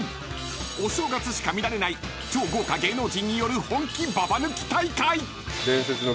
［お正月しか見られない超豪華芸能人による本気ババ抜き大会］